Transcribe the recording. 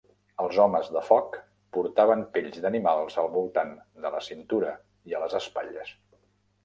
Els homes de foc portaven pells d'animals al voltant de la cintura i a les espatlles.